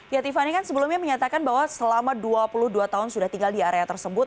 ya tiffany kan sebelumnya menyatakan bahwa selama dua puluh dua tahun sudah tinggal di area tersebut